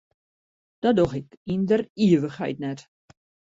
Dat doch ik yn der ivichheid net.